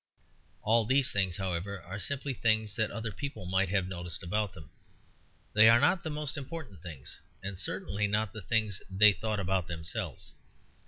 All these things, however, are simply things that other people might have noticed about them; they are not the most important things, and certainly not the things they thought about themselves.